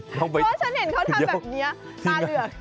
เพราะฉันเห็นเขาทำแบบนี้ตาเหลือก